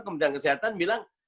kementerian kesehatan bilang